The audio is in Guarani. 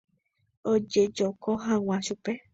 Ojejoko hag̃ua chupe.